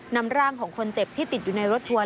นำร่างของคนเจ็บที่ติดอยู่ในรถทัวร์